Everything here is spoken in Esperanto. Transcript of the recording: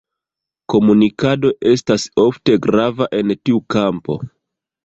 Komunikado estas ofte grava en tiu kampo.